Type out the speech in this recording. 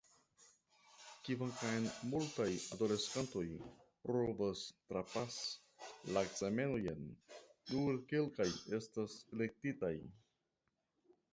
Kvankam multaj adoleskantoj provas trapasi la ekzamenojn nur kelkaj estas elektitaj.